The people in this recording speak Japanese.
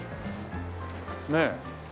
ねえ。